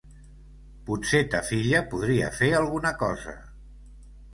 Potser ta filla podria fer alguna cosa.